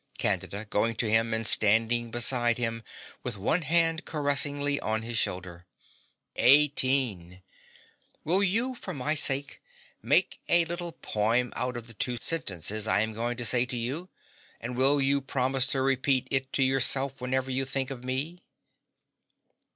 CANDIDA (going to him, and standing behind him with one hand caressingly on his shoulder). Eighteen! Will you, for my sake, make a little poem out of the two sentences I am going to say to you? And will you promise to repeat it to yourself whenever you think of me?